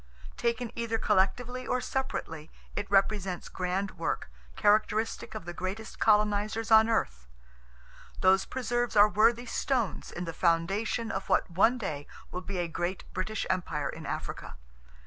Taken either collectively or separately, it represents [Page 365] grand work, characteristic of the greatest colonizers on earth. Those preserves are worthy stones in the foundation of what one day will be a great British empire in Africa.